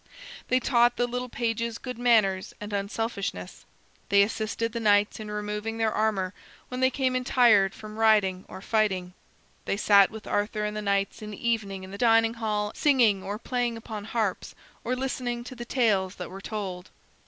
They taught the little pages good manners and unselfishness. They assisted the knights in removing their armor when they came in tired from riding or fighting. They sat with Arthur and the knights in the evening in the dining hall, singing or playing upon harps, or listening to the tales that were told.